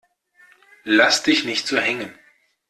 Lass dich nicht so hängen!